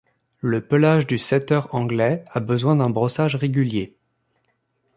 Le pelage du setter anglais a besoin d'un brossage régulier.